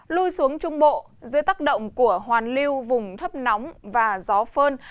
lui xuống trung bộ dưới tác động của hoàn lưu vùng thấp nóng và gió phơn